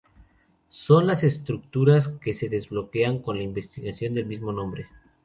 Son las Estructuras que se desbloquean con la investigación del mismo nombre.